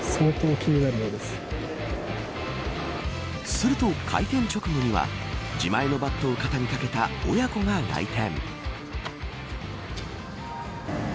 すると、開店直後には自前のバットを肩に掛けた親子が来店。